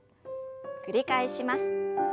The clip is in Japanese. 繰り返します。